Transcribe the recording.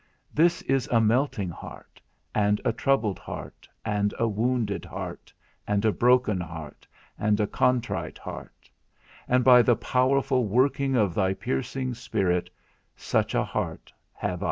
This is a melting heart, and a troubled heart, and a wounded heart, and a broken heart, and a contrite heart; and by the powerful working of thy piercing Spirit such a heart I have.